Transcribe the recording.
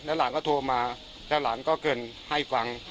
หลานก็โทรมาแล้วหลานก็เกินให้ฟัง